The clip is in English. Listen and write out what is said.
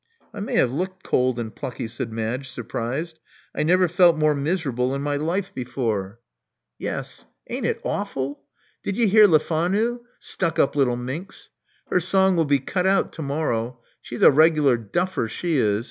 I may have looked cold and plucky," said Madge, surprised. I never felt more miserable in my life before." Love Among the Artists 147 Yes. Ain't it awful? Did you hear Lefanu? — stuck up little minx! Her song will be cut out to morrow. She's a reg'lar duffer, she is.